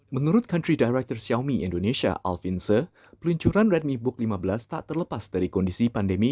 menurut country director xiaomi indonesia alvince peluncuran redmi book lima belas tak terlepas dari kondisi pandemi